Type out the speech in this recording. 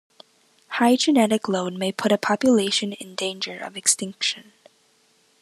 High genetic load may put a population in danger of extinction.